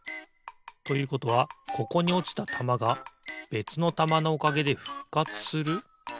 ということはここにおちたたまがべつのたまのおかげでふっかつする？